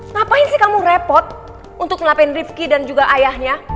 ngapain sih kamu repot untuk ngelapin rifki dan juga ayahnya